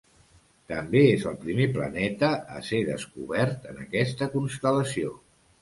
També és el primer planeta a ser descobert en aquesta constel·lació.